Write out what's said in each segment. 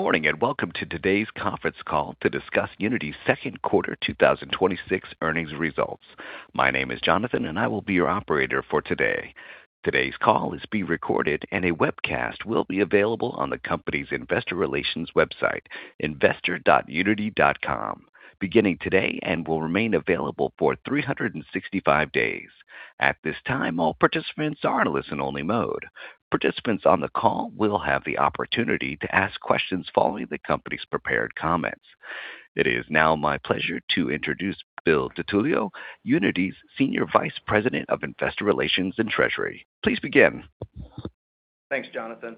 Good morning, and welcome to today's conference call to discuss Uniti's second quarter 2026 earnings results. My name is Jonathan, and I will be your operator for today. Today's call is being recorded, and a webcast will be available on the company's investor relations website, investor.uniti.com beginning today and will remain available for 365 days. At this time, all participants are in listen only mode. Participants on the call will have the opportunity to ask questions following the company's prepared comments. It is now my pleasure to introduce Bill DiTullio, Uniti's Senior Vice President of Investor Relations and Treasury. Please begin. Thanks, Jonathan.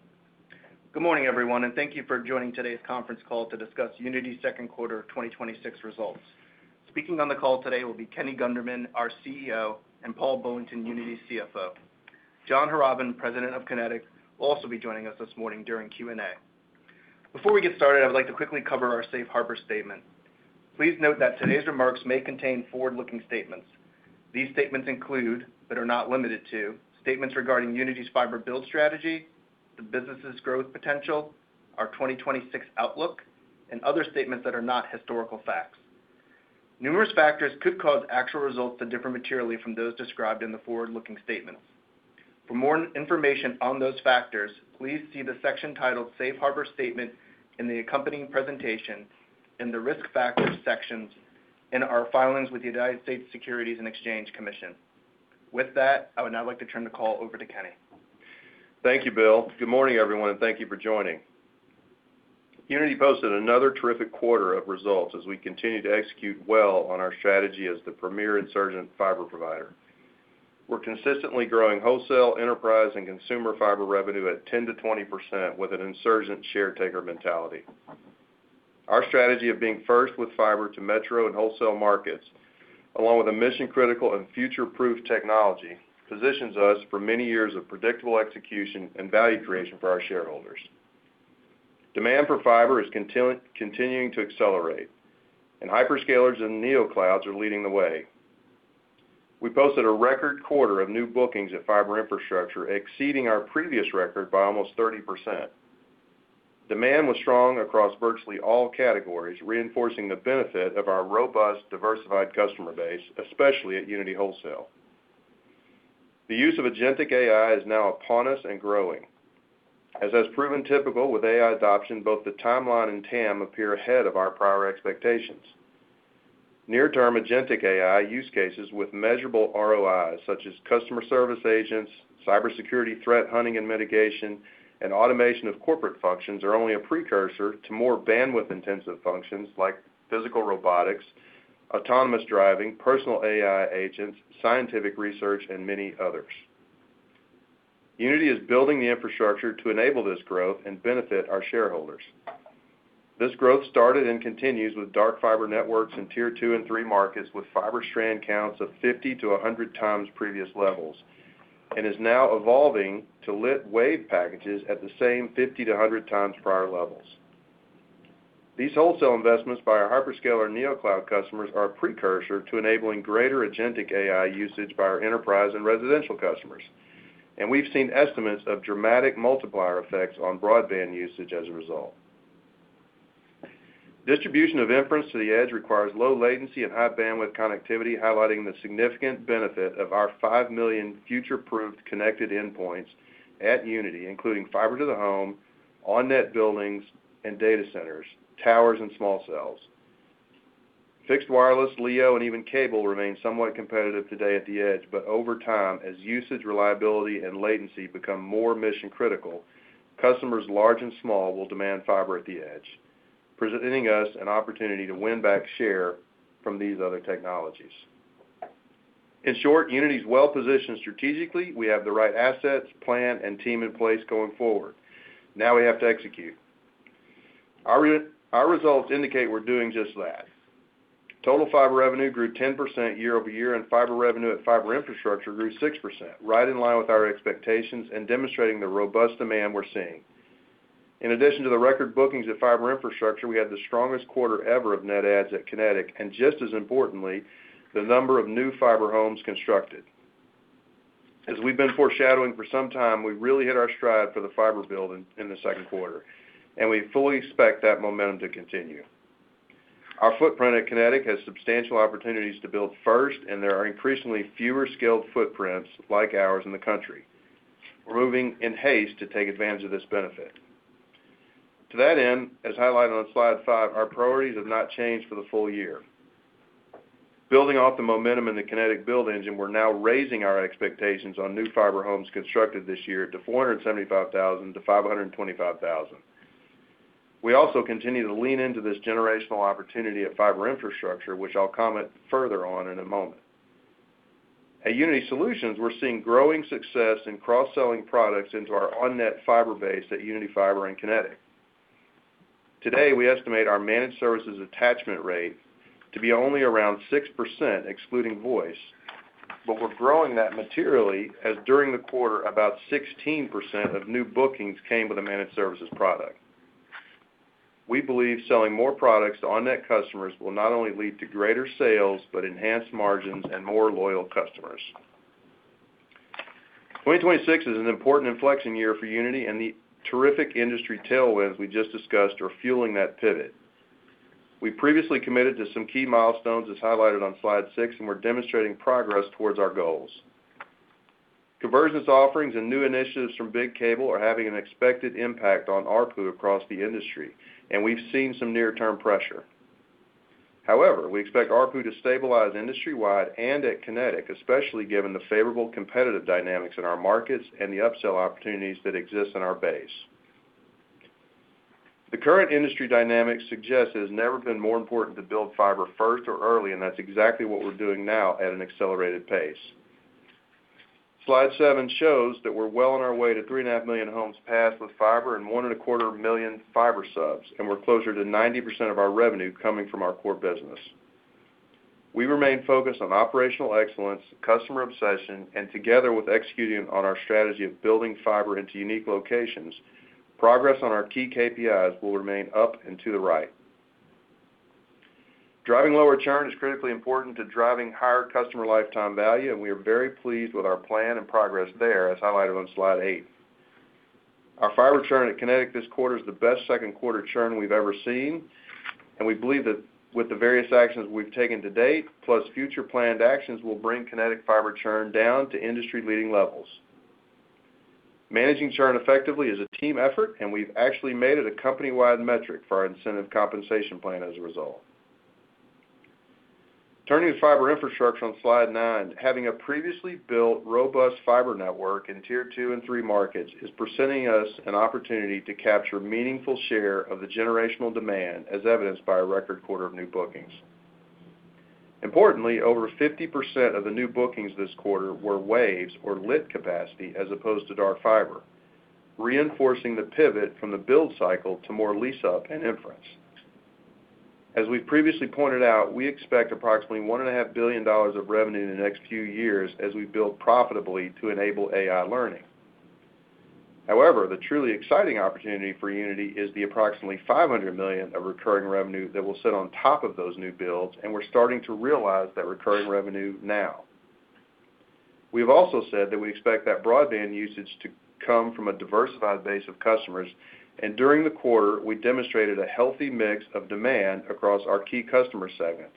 Good morning, everyone, and thank you for joining today's conference call to discuss Uniti's second quarter 2026 results. Speaking on the call today will be Kenny Gunderman, our CEO, and Paul Bullington, Uniti's CFO. John Harrobin, President of Kinetic, will also be joining us this morning during Q&A. Before we get started, I would like to quickly cover our safe harbor statement. Please note that today's remarks may contain forward-looking statements. These statements include, but are not limited to, statements regarding Uniti's fiber build strategy, the business' growth potential, our 2026 outlook, and other statements that are not historical facts. Numerous factors could cause actual results to differ materially from those described in the forward-looking statements. For more information on those factors, please see the section titled Safe Harbor Statement in the accompanying presentation in the Risk Factors sections in our filings with the United States Securities and Exchange Commission. With that, I would now like to turn the call over to Kenny. Thank you, Bill. Good morning, everyone, and thank you for joining. Uniti posted another terrific quarter of results as we continue to execute well on our strategy as the premier insurgent fiber provider. We're consistently growing wholesale, enterprise, and consumer fiber revenue at 10%-20% with an insurgent share taker mentality. Our strategy of being first with fiber to metro and wholesale markets, along with a mission-critical and future-proof technology, positions us for many years of predictable execution and value creation for our shareholders. Demand for fiber is continuing to accelerate, and hyperscalers and neoclouds are leading the way. We posted a record quarter of new bookings at fiber infrastructure exceeding our previous record by almost 30%. Demand was strong across virtually all categories, reinforcing the benefit of our robust, diversified customer base, especially at Uniti Wholesale. The use of agentic AI is now upon us and growing. As has proven typical with AI adoption, both the timeline and TAM appear ahead of our prior expectations. Near-term agentic AI use cases with measurable ROIs such as customer service agents, cybersecurity threat hunting and mitigation, and automation of corporate functions are only a precursor to more bandwidth-intensive functions like physical robotics, autonomous driving, personal AI agents, scientific research, and many others. Uniti is building the infrastructure to enable this growth and benefit our shareholders. This growth started and continues with dark fiber networks in tier two and three markets with fiber strand counts of 50-100x previous levels, and is now evolving to lit wave packages at the same 50-100x prior levels. These wholesale investments by our hyperscaler and neocloud customers are a precursor to enabling greater agentic AI usage by our enterprise and residential customers. We've seen estimates of dramatic multiplier effects on broadband usage as a result. Distribution of inference to the edge requires low latency and high bandwidth connectivity, highlighting the significant benefit of our 5 million future-proofed connected endpoints at Uniti, including fiber to the home, on-net buildings and data centers, towers, and small cells. Fixed wireless LEO and even cable remain somewhat competitive today at the edge. Over time, as usage, reliability, and latency become more mission-critical, customers large and small will demand fiber at the edge, presenting us an opportunity to win back share from these other technologies. In short, Uniti's well-positioned strategically. We have the right assets, plan, and team in place going forward. Now we have to execute. Our results indicate we're doing just that. Total fiber revenue grew 10% year-over-year. Fiber revenue at fiber infrastructure grew 6%, right in line with our expectations and demonstrating the robust demand we're seeing. In addition to the record bookings at fiber infrastructure, we had the strongest quarter ever of net adds at Kinetic. Just as importantly, the number of new fiber homes constructed. As we've been foreshadowing for some time, we really hit our stride for the fiber build in the second quarter. We fully expect that momentum to continue. Our footprint at Kinetic has substantial opportunities to build first. There are increasingly fewer skilled footprints like ours in the country. We're moving in haste to take advantage of this benefit. To that end, as highlighted on slide five, our priorities have not changed for the full-year. Building off the momentum in the Kinetic build engine, we're now raising our expectations on new fiber homes constructed this year to 475,000-525,000. We also continue to lean into this generational opportunity at fiber infrastructure, which I'll comment further on in a moment. At Uniti Solutions, we're seeing growing success in cross-selling products into our on-net fiber base at Uniti Fiber and Kinetic. Today, we estimate our managed services attachment rate to be only around 6%, excluding voice. We're growing that materially as during the quarter, about 16% of new bookings came with a managed services product. We believe selling more products to on-net customers will not only lead to greater sales, but enhanced margins and more loyal customers. 2026 is an important inflection year for Uniti. The terrific industry tailwinds we just discussed are fueling that pivot. We previously committed to some key milestones, as highlighted on slide six, and we are demonstrating progress towards our goals. Convergence offerings and new initiatives from big cable are having an expected impact on ARPU across the industry, and we have seen some near-term pressure. However, we expect ARPU to stabilize industry-wide and at Kinetic, especially given the favorable competitive dynamics in our markets and the upsell opportunities that exist in our base. The current industry dynamics suggest it has never been more important to build fiber first or early, and that is exactly what we are doing now at an accelerated pace. Slide seven shows that we are well on our way to 3.5 million homes passed with fiber and 1.25 million fiber subs, and we are closer to 90% of our revenue coming from our core business. We remain focused on operational excellence, customer obsession, and together with executing on our strategy of building fiber into unique locations, progress on our key KPIs will remain up and to the right. Driving lower churn is critically important to driving higher customer lifetime value, and we are very pleased with our plan and progress there, as highlighted on slide eight. Our fiber churn at Kinetic this quarter is the best second quarter churn we have ever seen, and we believe that with the various actions we have taken to date, plus future planned actions, we will bring Kinetic fiber churn down to industry-leading levels. Managing churn effectively is a team effort, and we have actually made it a company-wide metric for our incentive compensation plan as a result. Turning to fiber infrastructure on slide nine, having a previously built, robust fiber network in Tier 2 and 3 markets is presenting us an opportunity to capture meaningful share of the generational demand, as evidenced by a record quarter of new bookings. Importantly, over 50% of the new bookings this quarter were waves or lit capacity as opposed to dark fiber, reinforcing the pivot from the build cycle to more lease-up and in-force. As we have previously pointed out, we expect approximately $1.5 billion of revenue in the next few years as we build profitably to enable AI learning. However, the truly exciting opportunity for Uniti is the approximately $500 million of recurring revenue that will sit on top of those new builds, and we are starting to realize that recurring revenue now. We have also said that we expect that broadband usage to come from a diversified base of customers, and during the quarter, we demonstrated a healthy mix of demand across our key customer segments,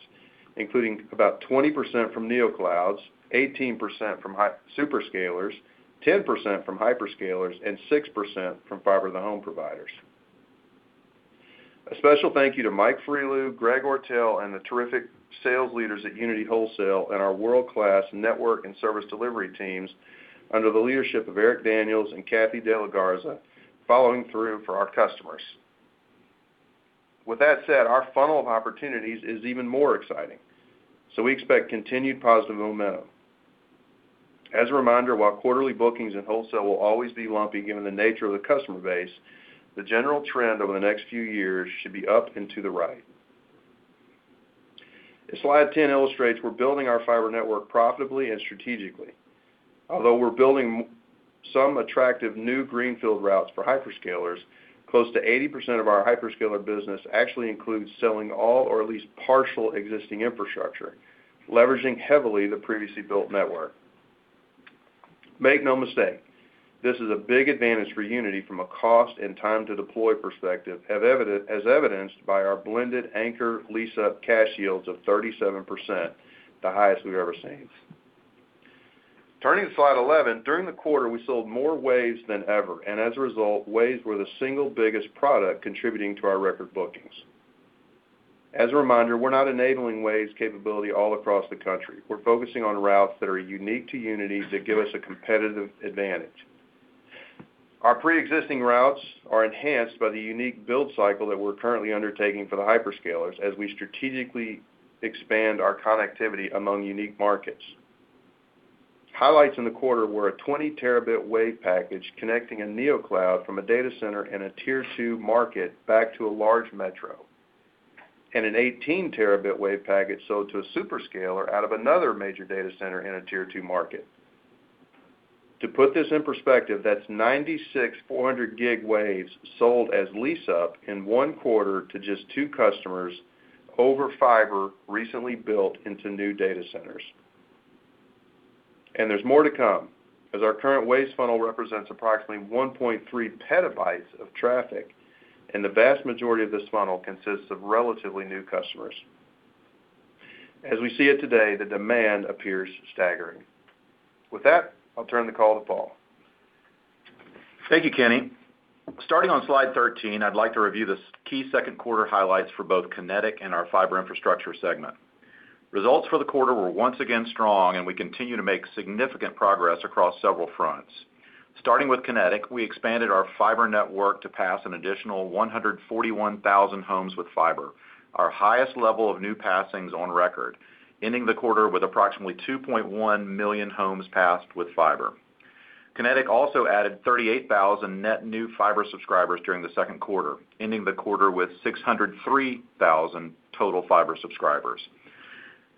including about 20% from neoclouds, 18% from superscalers, 10% from hyperscalers, and 6% from fiber-to-the-home providers. A special thank you to Mike Friloux, Greg Ortyl, and the terrific sales leaders at Uniti Wholesale and our world-class network and service delivery teams under the leadership of Eric Daniels and Cathy De La Garza, following through for our customers. With that said, our funnel of opportunities is even more exciting, so we expect continued positive momentum. As a reminder, while quarterly bookings in wholesale will always be lumpy given the nature of the customer base, the general trend over the next few years should be up and to the right. Slide 10 illustrates we're building our fiber network profitably and strategically. Although we're building some attractive new greenfield routes for hyperscalers, close to 80% of our hyperscaler business actually includes selling all or at least partial existing infrastructure, leveraging heavily the previously built network. Make no mistake, this is a big advantage for Uniti from a cost and time-to-deploy perspective, as evidenced by our blended anchor lease-up cash yields of 37%, the highest we've ever seen. Turning to slide 11, during the quarter, we sold more waves than ever. As a result, waves were the single biggest product contributing to our record bookings. As a reminder, we're not enabling waves capability all across the country. We're focusing on routes that are unique to Uniti to give us a competitive advantage. Our preexisting routes are enhanced by the unique build cycle that we're currently undertaking for the hyperscalers as we strategically expand our connectivity among unique markets. Highlights in the quarter were a 20 Tbit wave package connecting a neocloud from a data center in a Tier 2 market back to a large metro, and an 18 Tbit wave package sold to a superscaler out of another major data center in a Tier 2 market. To put this in perspective, that's 96 400 gig waves sold as lease-up in one quarter to just two customers over fiber recently built into new data centers. There's more to come as our current waves funnel represents approximately 1.3 PB of traffic, and the vast majority of this funnel consists of relatively new customers. As we see it today, the demand appears staggering. With that, I'll turn the call to Paul. Thank you, Kenny. Starting on slide 13, I'd like to review the key second quarter highlights for both Kinetic and our fiber infrastructure segment. Results for the quarter were once again strong, and we continue to make significant progress across several fronts. Starting with Kinetic, we expanded our fiber network to pass an additional 141,000 homes with fiber, our highest level of new passings on record, ending the quarter with approximately 2.1 million homes passed with fiber. Kinetic also added 38,000 net new fiber subscribers during the second quarter, ending the quarter with 603,000 total fiber subscribers.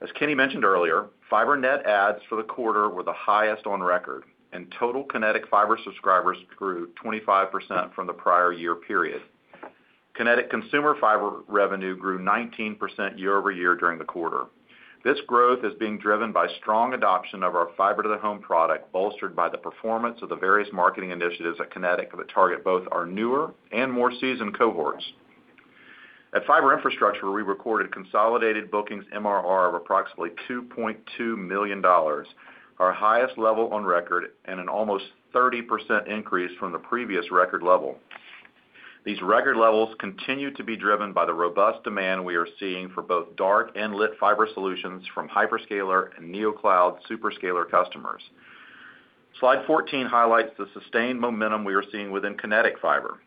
As Kenny mentioned earlier, fiber net adds for the quarter were the highest on record, and total Kinetic fiber subscribers grew 25% from the prior year period. Kinetic consumer fiber revenue grew 19% year-over-year during the quarter. This growth is being driven by strong adoption of our fiber to the home product, bolstered by the performance of the various marketing initiatives at Kinetic that target both our newer and more seasoned cohorts. At Fiber Infrastructure, we recorded consolidated bookings MRR of approximately $2.2 million, our highest level on record and an almost 30% increase from the previous record level. These record levels continue to be driven by the robust demand we are seeing for both dark and lit fiber solutions from hyperscaler and neocloud superscaler customers. Slide 14 highlights the sustained momentum we are seeing within Kinetic Fiber.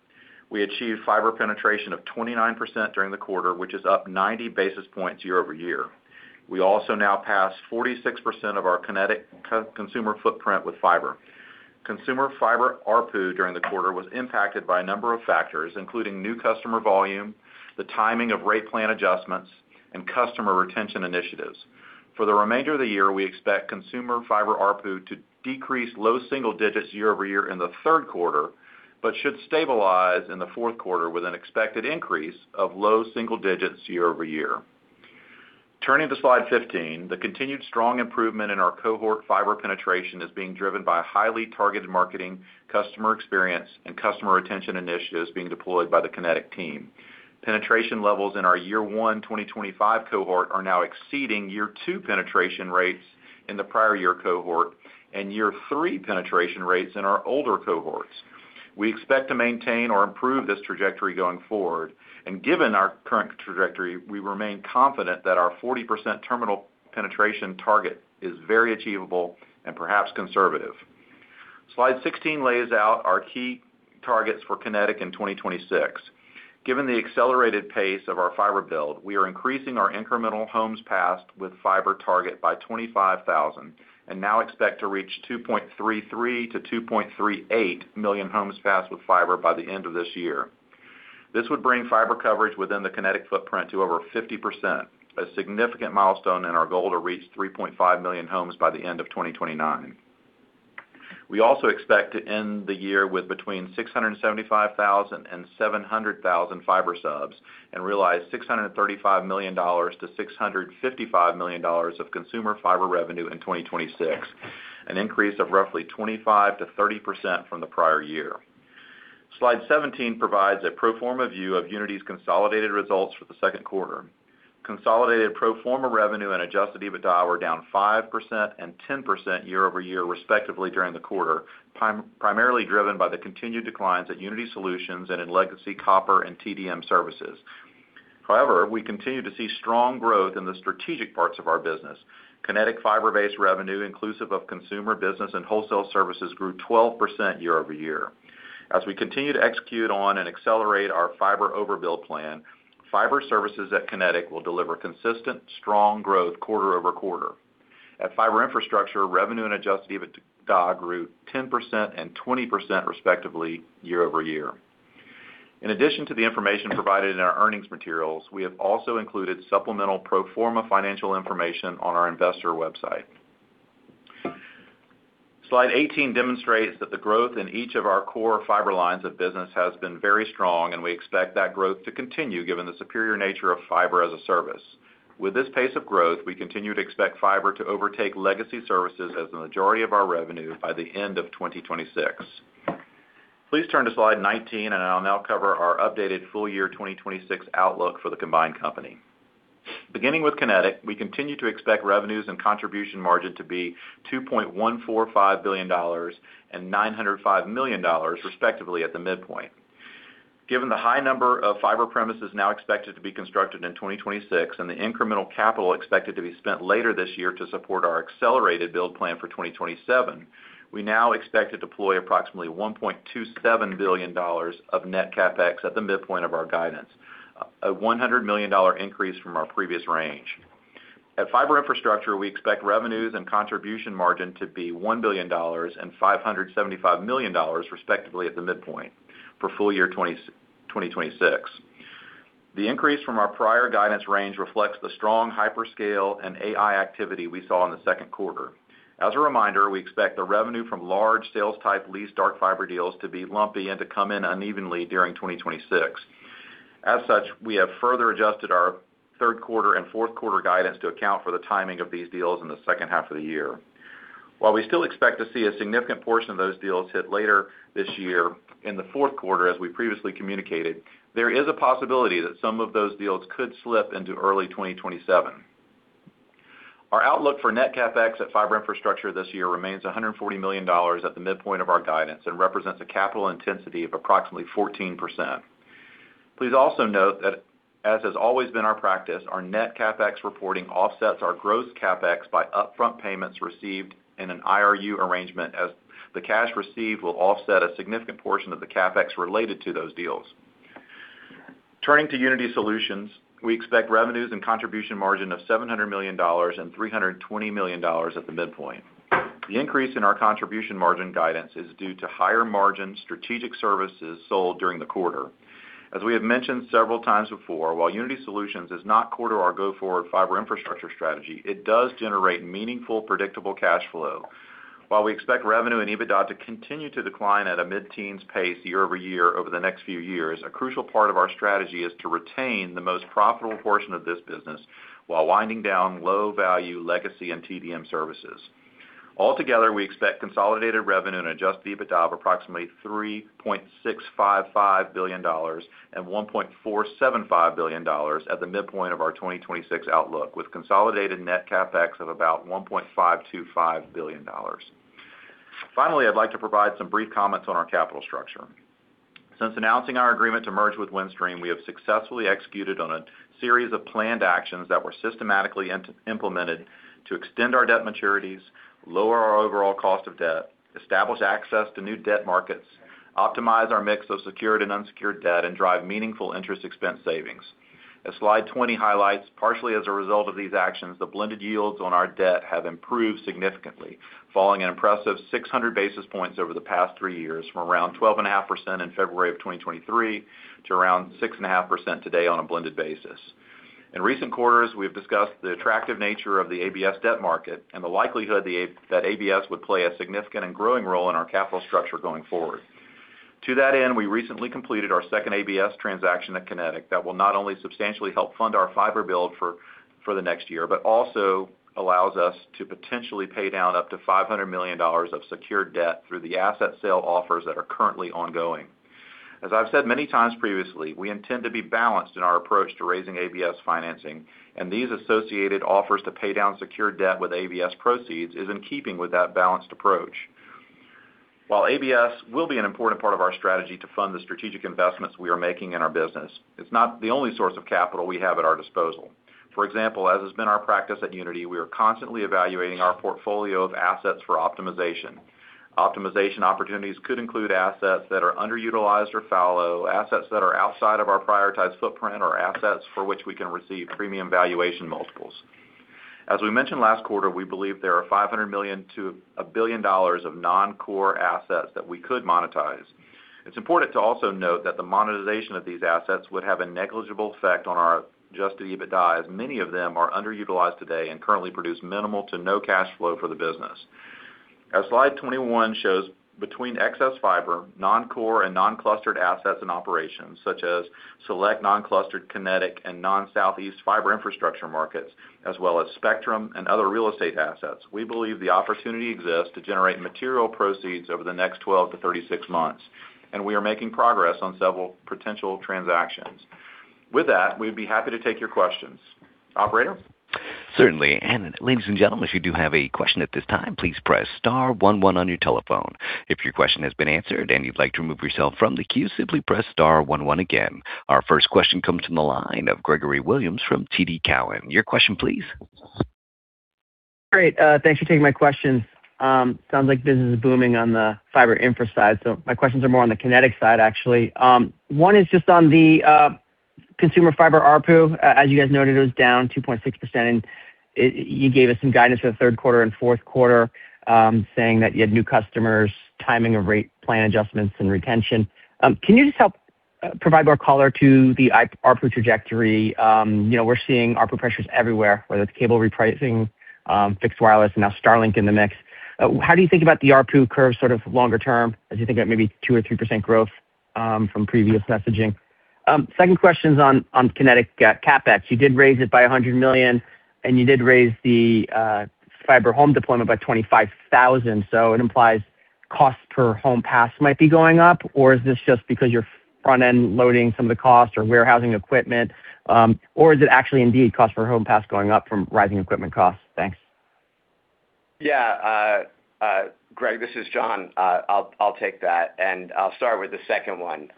We achieved fiber penetration of 29% during the quarter, which is up 90 basis points year-over-year. We also now pass 46% of our Kinetic consumer footprint with fiber. Consumer fiber ARPU during the quarter was impacted by a number of factors, including new customer volume, the timing of rate plan adjustments, and customer retention initiatives. For the remainder of the year, we expect consumer fiber ARPU to decrease low single-digits year-over-year in the third quarter, but should stabilize in the fourth quarter with an expected increase of low single-digits year-over-year. Turning to slide 15, the continued strong improvement in our cohort fiber penetration is being driven by highly targeted marketing, customer experience, and customer retention initiatives being deployed by the Kinetic team. Penetration levels in our year one 2025 cohort are now exceeding year two penetration rates in the prior year cohort and year three penetration rates in our older cohorts. We expect to maintain or improve this trajectory going forward. Given our current trajectory, we remain confident that our 40% terminal penetration target is very achievable and perhaps conservative. Slide 16 lays out our key targets for Kinetic in 2026. Given the accelerated pace of our fiber build, we are increasing our incremental homes passed with fiber target by 25,000 and now expect to reach 2.33 million-2.38 million homes passed with fiber by the end of this year. This would bring fiber coverage within the Kinetic footprint to over 50%, a significant milestone in our goal to reach 3.5 million homes by the end of 2029. We also expect to end the year with between 675,000 and 700,000 fiber subs and realize $635 million-$655 million of consumer fiber revenue in 2026, an increase of roughly 25%-30% from the prior year. Slide 17 provides a pro forma view of Uniti's consolidated results for the second quarter. Consolidated pro forma revenue and adjusted EBITDA were down 5% and 10% year-over-year respectively during the quarter, primarily driven by the continued declines at Uniti Solutions and in legacy copper and TDM services. We continue to see strong growth in the strategic parts of our business. Kinetic fiber-based revenue, inclusive of consumer business and wholesale services, grew 12% year-over-year. As we continue to execute on and accelerate our fiber overbuild plan, fiber services at Kinetic will deliver consistent strong growth quarter-over-quarter. At Fiber Infrastructure, revenue and adjusted EBITDA grew 10% and 20% respectively year-over-year. In addition to the information provided in our earnings materials, we have also included supplemental pro forma financial information on our investor website. Slide 18 demonstrates that the growth in each of our core fiber lines of business has been very strong. We expect that growth to continue given the superior nature of fiber as a service. With this pace of growth, we continue to expect fiber to overtake legacy services as the majority of our revenue by the end of 2026. Please turn to slide 19. I'll now cover our updated full-year 2026 outlook for the combined company. Beginning with Kinetic, we continue to expect revenues and contribution margin to be $2.145 billion and $905 million respectively at the midpoint. Given the high number of fiber premises now expected to be constructed in 2026, and the incremental capital expected to be spent later this year to support our accelerated build plan for 2027, we now expect to deploy approximately $1.27 billion of net CapEx at the midpoint of our guidance, a $100 million increase from our previous range. At Fiber Infrastructure, we expect revenues and contribution margin to be $1 billion and $575 million respectively at the midpoint for full-year 2026. The increase from our prior guidance range reflects the strong hyperscale and AI activity we saw in the second quarter. As a reminder, we expect the revenue from large sales type leased dark fiber deals to be lumpy and to come in unevenly during 2026. Such, we have further adjusted our third quarter and fourth quarter guidance to account for the timing of these deals in the second half of the year. While we still expect to see a significant portion of those deals hit later this year in the fourth quarter, as we previously communicated, there is a possibility that some of those deals could slip into early 2027. Our outlook for net CapEx at Fiber Infrastructure this year remains $140 million at the midpoint of our guidance and represents a capital intensity of approximately 14%. Please also note that as has always been our practice, our net CapEx reporting offsets our gross CapEx by upfront payments received in an IRU arrangement as the cash received will offset a significant portion of the CapEx related to those deals. Turning to Uniti Solutions, we expect revenues and contribution margin of $700 million and $320 million at the midpoint. The increase in our contribution margin guidance is due to higher margin strategic services sold during the quarter. As we have mentioned several times before, while Uniti Solutions is not core to our go-forward fiber infrastructure strategy, it does generate meaningful, predictable cash flow. While we expect revenue and EBITDA to continue to decline at a mid-teens pace year-over-year over the next few years, a crucial part of our strategy is to retain the most profitable portion of this business while winding down low-value legacy and TDM services. Altogether, we expect consolidated revenue and adjusted EBITDA of approximately $3.655 billion and $1.475 billion at the midpoint of our 2026 outlook, with consolidated net CapEx of about $1.525 billion. Finally, I'd like to provide some brief comments on our capital structure. Since announcing our agreement to merge with Windstream, we have successfully executed on a series of planned actions that were systematically implemented to extend our debt maturities, lower our overall cost of debt, establish access to new debt markets, optimize our mix of secured and unsecured debt, and drive meaningful interest expense savings. As Slide 20 highlights, partially as a result of these actions, the blended yields on our debt have improved significantly, falling an impressive 600 basis points over the past three years, from around 12.5% in February of 2023 to around 6.5% today on a blended basis. In recent quarters, we've discussed the attractive nature of the ABS debt market and the likelihood that ABS would play a significant and growing role in our capital structure going forward. To that end, we recently completed our second ABS transaction at Kinetic that will not only substantially help fund our fiber build for the next year, but also allows us to potentially pay down up to $500 million of secured debt through the asset sale offers that are currently ongoing. As I've said many times previously, we intend to be balanced in our approach to raising ABS financing, and these associated offers to pay down secured debt with ABS proceeds is in keeping with that balanced approach. While ABS will be an important part of our strategy to fund the strategic investments we are making in our business, it's not the only source of capital we have at our disposal. For example, as has been our practice at Uniti, we are constantly evaluating our portfolio of assets for optimization. Optimization opportunities could include assets that are underutilized or fallow, assets that are outside of our prioritized footprint, or assets for which we can receive premium valuation multiples. As we mentioned last quarter, we believe there are $500 million-$1 billion of non-core assets that we could monetize. It's important to also note that the monetization of these assets would have a negligible effect on our adjusted EBITDA, as many of them are underutilized today and currently produce minimal to no cash flow for the business. As Slide 21 shows, between excess fiber, non-core and non-clustered assets and operations, such as select non-clustered Kinetic and non-southeast fiber infrastructure markets, as well as spectrum and other real estate assets, we believe the opportunity exists to generate material proceeds over the next 12-36 months, and we are making progress on several potential transactions. With that, we'd be happy to take your questions. Operator? Certainly. Ladies and gentlemen, if you do have a question at this time, please press *11 on your telephone. If your question has been answered and you'd like to remove yourself from the queue, simply press *11 again. Our first question comes from the line of Gregory Williams from TD Cowen. Your question please. Great. Thanks for taking my questions. Sounds like business is booming on the fiber infra side. My questions are more on the Kinetic side, actually. One is just on the consumer fiber ARPU. As you guys noted, it was down 2.6%, and you gave us some guidance for the third quarter and fourth quarter, saying that you had new customers, timing of rate plan adjustments, and retention. Can you just help provide more color to the ARPU trajectory? We're seeing ARPU pressures everywhere, whether it's cable repricing, fixed wireless, and now Starlink in the mix. How do you think about the ARPU curve sort of longer term, as you think about maybe 2% or 3% growth from previous messaging? Second question's on Kinetic CapEx. You did raise it by $100 million, and you did raise the fiber home deployment by 25,000. It implies cost per home pass might be going up, or is this just because you're front-end loading some of the cost or warehousing equipment? Or is it actually indeed cost per home pass going up from rising equipment costs? Thanks. Yeah. Greg, this is John. I'll take that, and I'll start with the second one.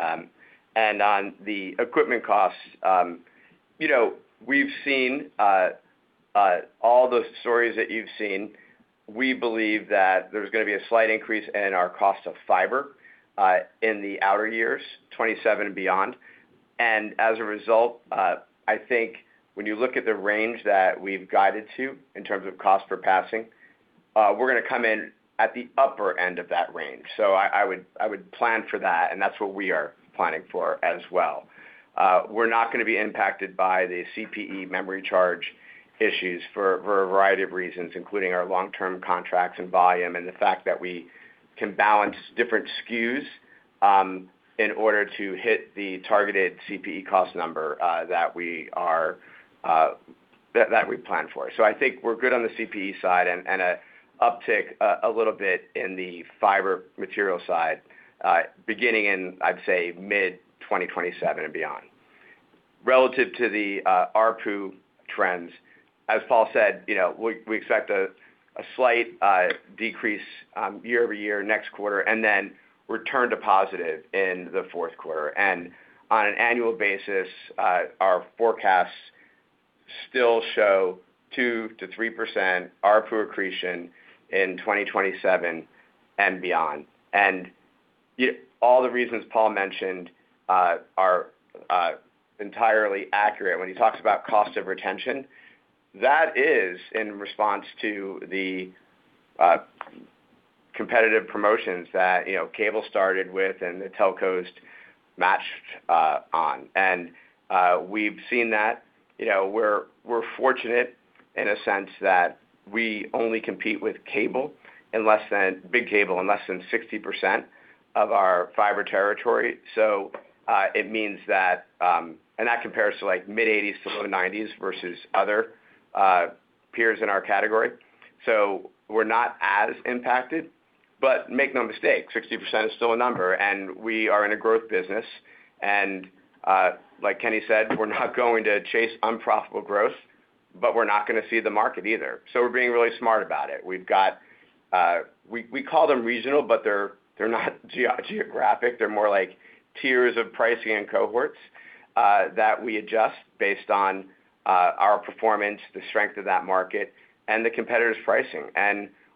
On the equipment costs, we've seen all the stories that you've seen. We believe that there's going to be a slight increase in our cost of fiber in the outer years, 2027 and beyond. As a result, I think when you look at the range that we've guided to in terms of cost per passing, we're going to come in at the upper end of that range. I would plan for that, and that's what we are planning for as well. We're not going to be impacted by the CPE memory chip issues for a variety of reasons, including our long-term contracts and volume, and the fact that we can balance different SKUs in order to hit the targeted CPE cost number that we plan for. I think we're good on the CPE side, and an uptick a little bit in the fiber material side, beginning in, I'd say, mid-2027 and beyond. Relative to the ARPU trends, as Paul said, we expect a slight decrease year-over-year next quarter, and then return to positive in the fourth quarter. On an annual basis, our forecasts still show 2% to 3% ARPU accretion in 2027 and beyond. All the reasons Paul mentioned are entirely accurate. When he talks about cost of retention, that is in response to the competitive promotions that cable started with and the telcos matched on. We've seen that. We're fortunate in a sense that we only compete with big cable in less than 60% of our fiber territory. That compares to mid-80s to low 90s versus other peers in our category. We're not as impacted. Make no mistake, 60% is still a number, and we are in a growth business. Like Kenny said, we're not going to chase unprofitable growth, but we're not going to cede the market either. We're being really smart about it. We call them regional, but they're not geographic. They're more like tiers of pricing and cohorts that we adjust based on our performance, the strength of that market, and the competitor's pricing.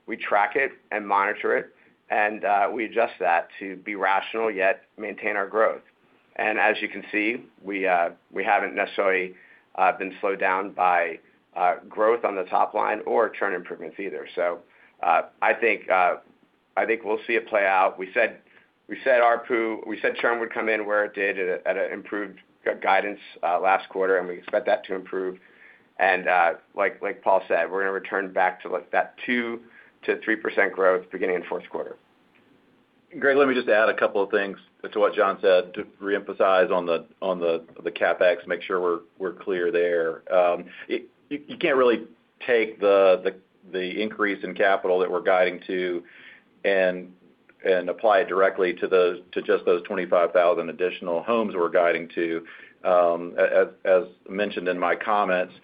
We track it and monitor it, and we adjust that to be rational, yet maintain our growth. As you can see, we haven't necessarily been slowed down by growth on the top line or churn improvements either. I think we'll see it play out. We said churn would come in where it did at an improved guidance last quarter, and we expect that to improve. Like Paul said, we're going to return back to that 2%-3% growth beginning in the fourth quarter. Greg, let me just add a couple of things to what John said to reemphasize on the CapEx, make sure we're clear there. You can't really take the increase in capital that we're guiding to and apply it directly to just those 25,000 additional homes we're guiding to. As mentioned in my comments,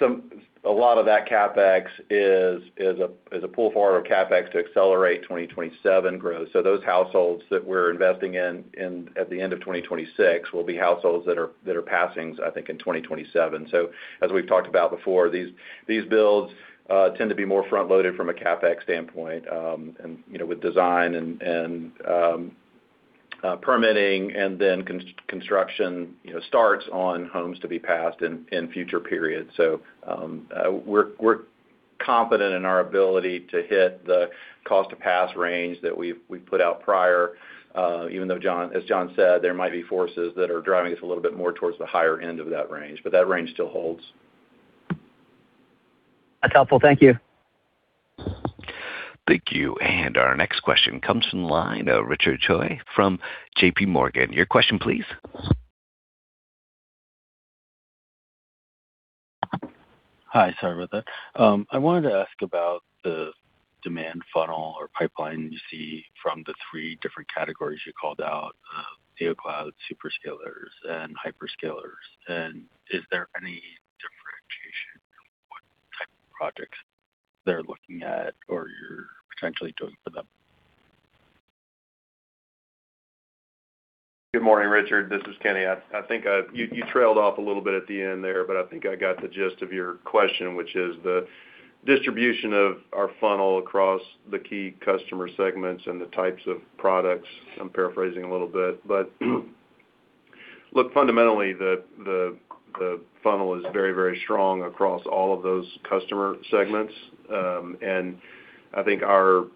a lot of that CapEx is a pull-forward of CapEx to accelerate 2027 growth. Those households that we're investing in at the end of 2026 will be households that are passings, I think, in 2027. As we've talked about before, these builds tend to be more front-loaded from a CapEx standpoint and with design and permitting and then construction starts on homes to be passed in future periods. We're confident in our ability to hit the cost to pass range that we've put out prior, even though, as John said, there might be forces that are driving us a little bit more towards the higher end of that range. That range still holds. That's helpful. Thank you. Thank you. Our next question comes from the line of Richard Choi from JP Morgan. Your question, please. Hi, sorry about that. I wanted to ask about the demand funnel or pipeline you see from the three different categories you called out, neoclouds, superscalers, and hyperscalers. Is there any differentiation in what type of projects they're looking at or you're potentially doing for them? Good morning, Richard. This is Kenny. I think you trailed off a little bit at the end there, but I think I got the gist of your question, which is the distribution of our funnel across the key customer segments and the types of products. I'm paraphrasing a little bit. Look, fundamentally, the funnel is very, very strong across all of those customer segments. I think our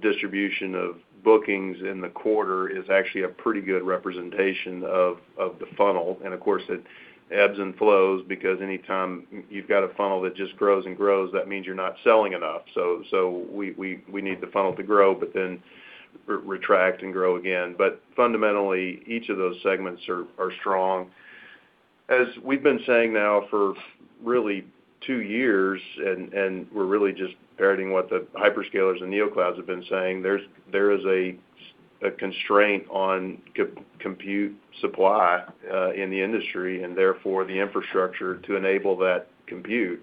distribution of bookings in the quarter is actually a pretty good representation of the funnel. Of course, it ebbs and flows because anytime you've got a funnel that just grows and grows, that means you're not selling enough. We need the funnel to grow, but then retract and grow again. Fundamentally, each of those segments are strong. As we've been saying now for really two years, and we're really just parroting what the hyperscalers and neoclouds have been saying, there is a constraint on compute supply in the industry, and therefore the infrastructure to enable that compute.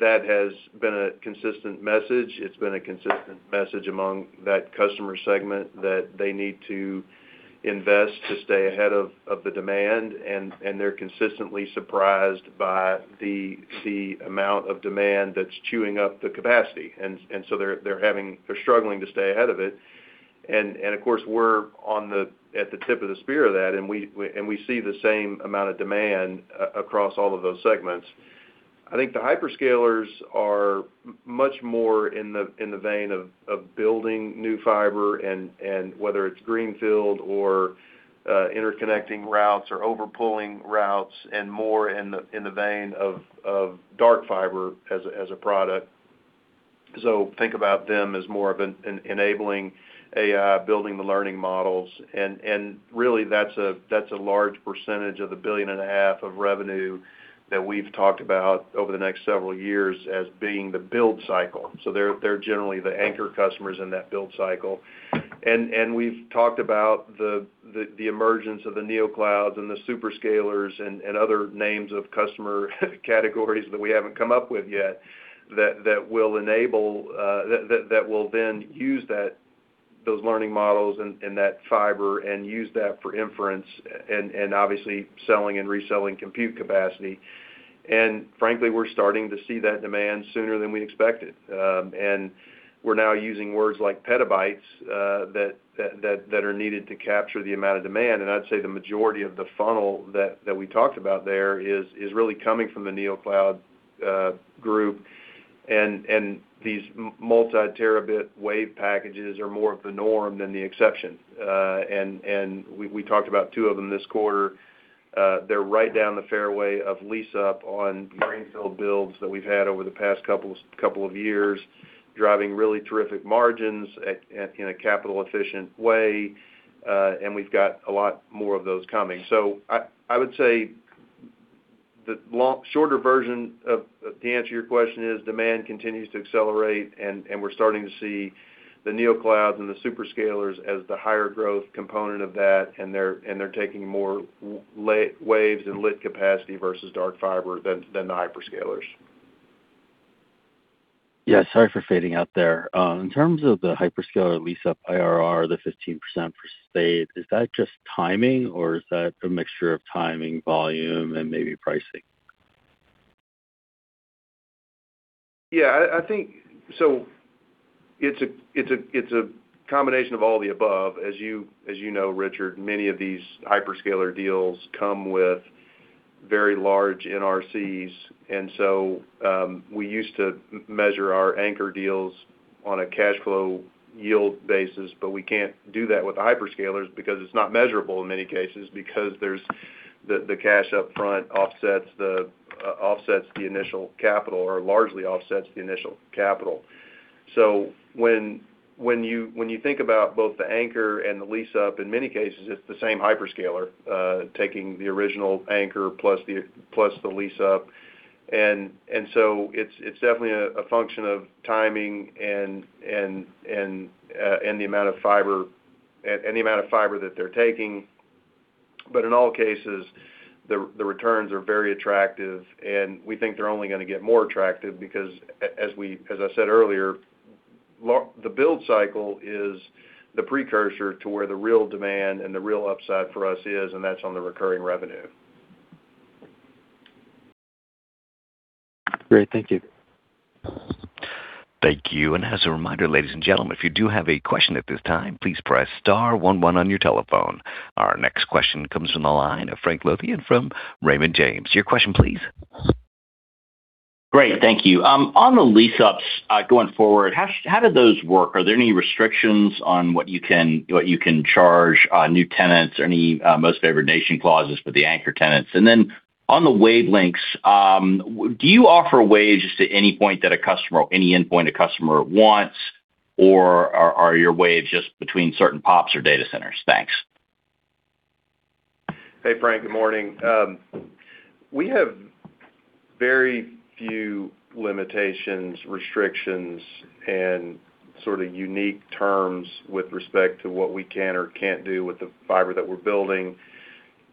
That has been a consistent message. It's been a consistent message among that customer segment that they need to invest to stay ahead of the demand, and they're consistently surprised by the amount of demand that's chewing up the capacity. They're struggling to stay ahead of it. Of course, we're at the tip of the spear of that, and we see the same amount of demand across all of those segments. I think the hyperscalers are much more in the vein of building new fiber and whether it's greenfield or interconnecting routes or over-pulling routes and more in the vein of dark fiber as a product. Think about them as more of enabling AI, building the learning models. Really, that's a large percentage of the billion and a half of revenue that we've talked about over the next several years as being the build cycle. They're generally the anchor customers in that build cycle. We've talked about the emergence of the neoclouds and the superscalers and other names of customer categories that we haven't come up with yet that will then use those learning models and that fiber and use that for inference and obviously selling and reselling compute capacity. Frankly, we're starting to see that demand sooner than we expected. We're now using words like petabytes that are needed to capture the amount of demand. I'd say the majority of the funnel that we talked about there is really coming from the NeoCloud group. These multi-terabit wave packages are more of the norm than the exception. We talked about two of them this quarter. They're right down the fairway of lease-up on greenfield builds that we've had over the past couple of years, driving really terrific margins in a capital efficient way. We've got a lot more of those coming. I would say the shorter version of the answer to your question is, demand continues to accelerate, and we're starting to see the neoclouds and the superscalers as the higher growth component of that, and they're taking more waves and lit capacity versus dark fiber than the hyperscalers. Sorry for fading out there. In terms of the hyperscaler lease-up IRR, the 15% for spade, is that just timing, or is that a mixture of timing, volume and maybe pricing? Yeah. It is a combination of all the above. As you know, Richard Choi, many of these hyperscaler deals come with very large NRCs. We used to measure our anchor deals on a cash flow yield basis, we cannot do that with hyperscalers because it is not measurable in many cases because the cash upfront offsets the initial capital, or largely offsets the initial capital. When you think about both the anchor and the lease-up, in many cases, it is the same hyperscaler, taking the original anchor plus the lease-up. It is definitely a function of timing and the amount of fiber that they are taking. In all cases, the returns are very attractive, and we think they are only going to get more attractive because as I said earlier, the build cycle is the precursor to where the real demand and the real upside for us is, and that is on the recurring revenue. Great. Thank you. Thank you. As a reminder, ladies and gentlemen, if you do have a question at this time, please press star one one on your telephone. Our next question comes from the line of Frank Louthan from Raymond James. Your question, please. Great. Thank you. On the lease-ups, going forward, how do those work? Are there any restrictions on what you can charge new tenants or any most favored nation clauses for the anchor tenants? On the wavelengths, do you offer waves to any point that a customer or any endpoint a customer wants, or are your waves just between certain pops or data centers? Thanks. Hey, Frank. Good morning. We have very few limitations, restrictions, and sort of unique terms with respect to what we can or can't do with the fiber that we're building,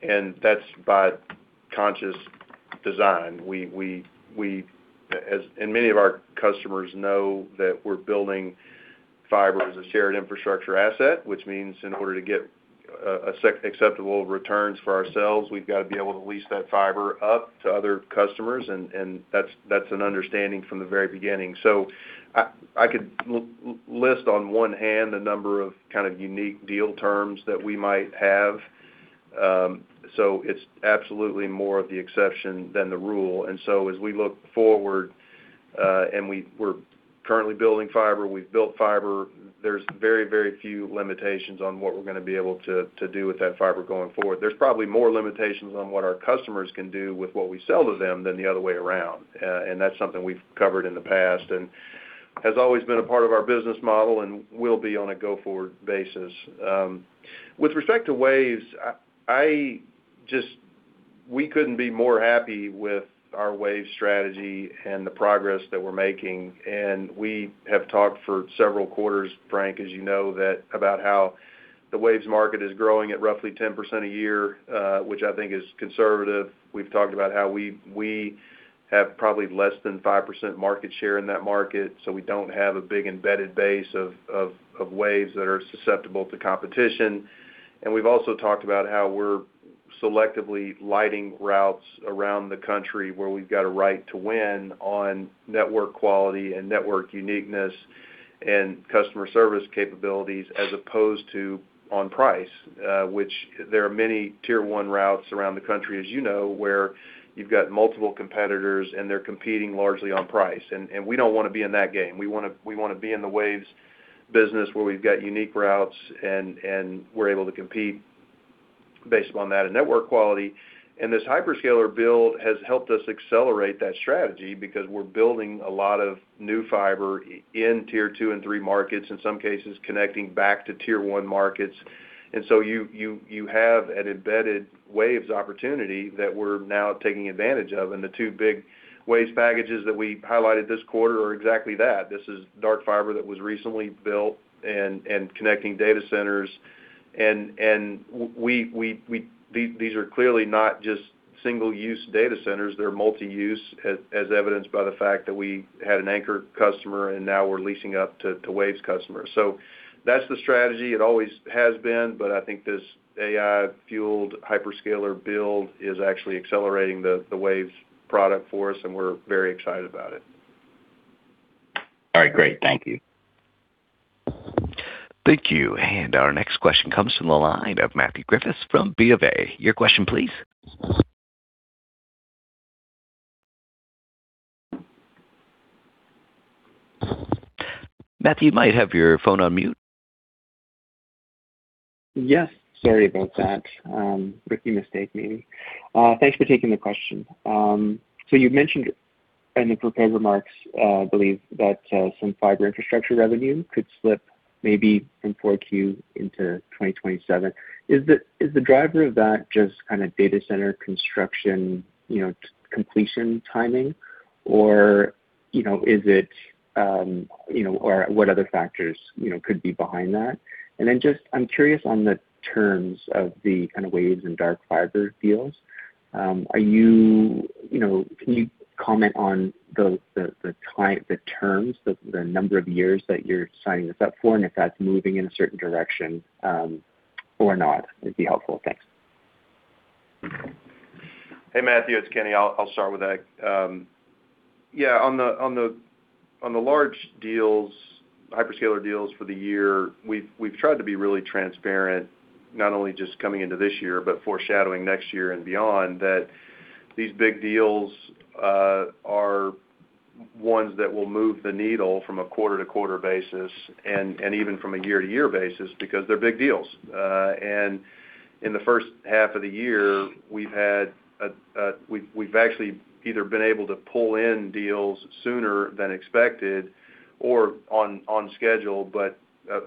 and that's by conscious design. Many of our customers know that we're building fiber as a shared infrastructure asset, which means in order to get acceptable returns for ourselves, we've got to be able to lease that fiber up to other customers, and that's an understanding from the very beginning. I could list on one hand the number of kind of unique deal terms that we might have. It's absolutely more of the exception than the rule. As we look forward, and we're currently building fiber, we've built fiber, there's very few limitations on what we're going to be able to do with that fiber going forward. There's probably more limitations on what our customers can do with what we sell to them than the other way around. That's something we've covered in the past and has always been a part of our business model and will be on a go-forward basis. With respect to waves, we couldn't be more happy with our wave strategy and the progress that we're making. We have talked for several quarters, Frank, as you know, about how the waves market is growing at roughly 10% a year, which I think is conservative. We've talked about how we have probably less than 5% market share in that market, so we don't have a big embedded base of waves that are susceptible to competition. We've also talked about how we're selectively lighting routes around the country where we've got a right to win on network quality and network uniqueness and customer service capabilities as opposed to on price, which there are many tier 1 routes around the country, as you know, where you've got multiple competitors and they're competing largely on price. We don't want to be in that game. We want to be in the waves business where we've got unique routes and we're able to compete based upon that and network quality. This hyperscaler build has helped us accelerate that strategy because we're building a lot of new fiber in tier 2 and 3 markets, in some cases connecting back to tier 1 markets. You have an embedded waves opportunity that we're now taking advantage of, The two big waves packages that we highlighted this quarter are exactly that. This is dark fiber that was recently built and connecting data centers. These are clearly not just single use data centers. They're multi-use, as evidenced by the fact that we had an anchor customer, and now we're leasing up to waves customers. That's the strategy. It always has been. I think this AI fueled hyperscaler build is actually accelerating the waves product for us, and we're very excited about it. All right. Great. Thank you. Thank you. Our next question comes from the line of Matthew Griffis from BofA. Your question, please. Matthew, you might have your phone on mute. Yes. Sorry about that. Rookie mistake, me. Thanks for taking the question. You've mentioned in the prepared remarks, I believe, that some fiber infrastructure revenue could slip maybe in 4Q into 2027. Is the driver of that just kind of data center construction completion timing? Or what other factors could be behind that? Then I'm curious on the terms of the kind of waves in dark fiber deals. Can you comment on the terms, the number of years that you're signing this up for, and if that's moving in a certain direction or not, would be helpful. Thanks. Hey, Matthew, it's Kenny. I'll start with that. Yeah, on the large deals, hyperscaler deals for the year, we've tried to be really transparent, not only just coming into this year, but foreshadowing next year and beyond that these big deals are ones that will move the needle from a quarter-to-quarter basis and even from a year-to-year basis because they're big deals. In the first half of the year, we've actually either been able to pull in deals sooner than expected or on schedule, but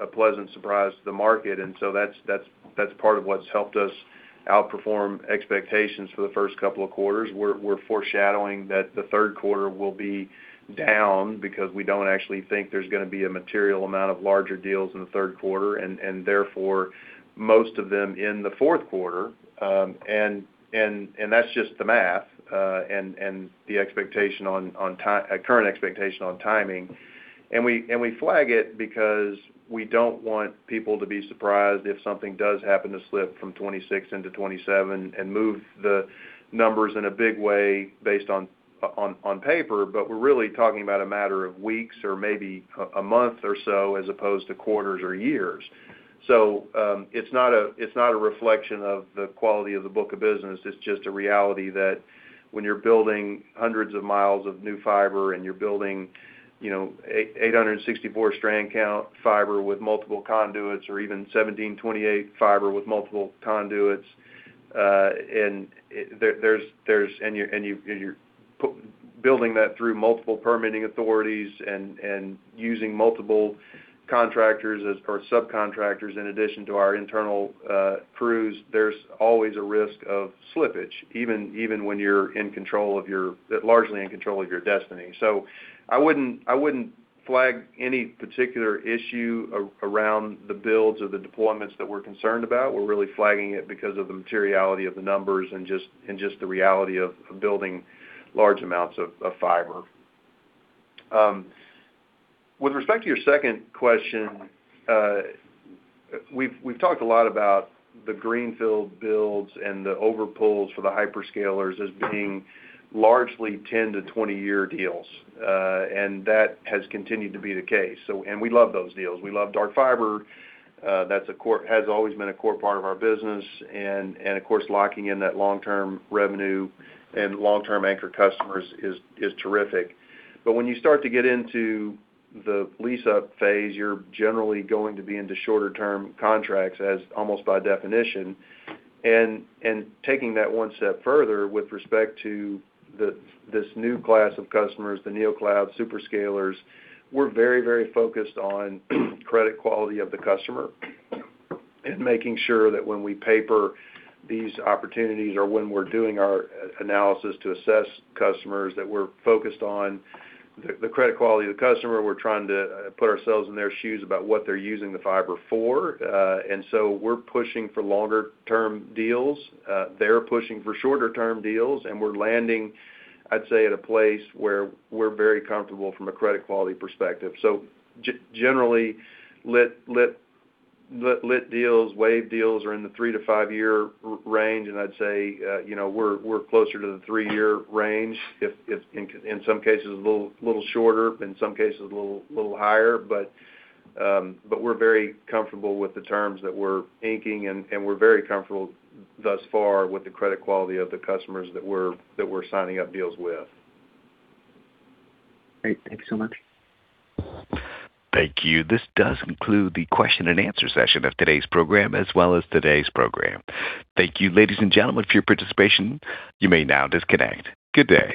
a pleasant surprise to the market. That's part of what's helped us outperform expectations for the first couple of quarters. We're foreshadowing that the third quarter will be down because we don't actually think there's going to be a material amount of larger deals in the third quarter, therefore, most of them in the fourth quarter. That's just the math, the current expectation on timing. We flag it because we don't want people to be surprised if something does happen to slip from 2026 into 2027 and move the numbers in a big way based on paper. We're really talking about a matter of weeks or maybe a month or so, as opposed to quarters or years. It's not a reflection of the quality of the book of business. It's just a reality that when you're building hundreds of miles of new fiber and you're building 864 strand count fiber with multiple conduits or even 1728 fiber with multiple conduits, and you're building that through multiple permitting authorities and using multiple contractors or subcontractors in addition to our internal crews, there's always a risk of slippage, even when you're largely in control of your destiny. I wouldn't flag any particular issue around the builds or the deployments that we're concerned about. We're really flagging it because of the materiality of the numbers and just the reality of building large amounts of fiber. With respect to your second question, we've talked a lot about the greenfield builds and the over pulls for the hyperscalers as being largely 10-20 year deals. That has continued to be the case. We love those deals. We love dark fiber. That has always been a core part of our business, and of course, locking in that long-term revenue and long-term anchor customers is terrific. When you start to get into the lease-up phase, you're generally going to be into shorter-term contracts as almost by definition. Taking that one step further with respect to this new class of customers, the Neocloud superscalers, we're very focused on credit quality of the customer and making sure that when we paper these opportunities or when we're doing our analysis to assess customers, that we're focused on the credit quality of the customer. We're trying to put ourselves in their shoes about what they're using the fiber for. We're pushing for longer-term deals. They're pushing for shorter-term deals, and we're landing, I'd say, at a place where we're very comfortable from a credit quality perspective. Generally, lit deals, wave deals are in the 3-5 year range, and I'd say we're closer to the three year range. In some cases, a little shorter, in some cases, a little higher. We're very comfortable with the terms that we're inking, and we're very comfortable thus far with the credit quality of the customers that we're signing up deals with. Great. Thank you so much. Thank you. This does conclude the question-and-answer session of today's program as well as today's program. Thank you, ladies and gentlemen, for your participation. You may now disconnect. Good day.